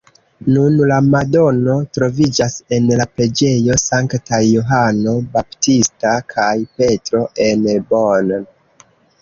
Nun la madono troviĝas en la preĝejo Sanktaj Johano Baptista kaj Petro en Bonn.